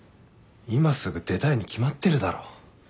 今すぐ出たいに決まってるだろ。